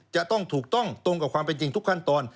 จะต้องถูกต้องตรงกับความเป็นจริงทุกขั้นตอน